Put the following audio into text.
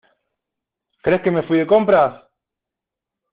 ¿ crees que me fui de compras?